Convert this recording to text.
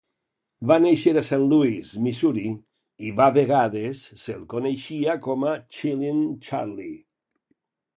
Va néixer a Saint Louis, Missouri, i va vegades se'l coneixia com a "Chillin' Charley".